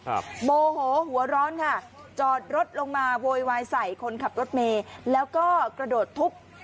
โมโหหัวร้อนค่ะจอดรถลงมาโวยวายใส่คนขับรถเมย์แล้วก็กระโดดทุบ